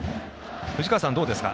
藤川さん、どうですか。